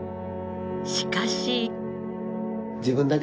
しかし。